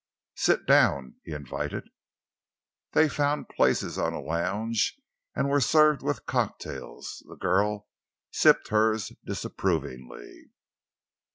"Sit down," he invited. They found places on a lounge and were served with cocktails. The girl sipped hers disapprovingly.